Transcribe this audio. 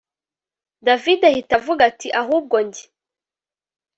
david ahita avuga ati ahubwo njye